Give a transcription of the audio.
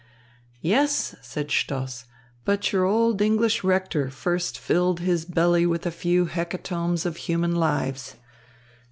"Yes," said Stoss, "but your old English rector first filled his belly with a few hecatombs of human lives.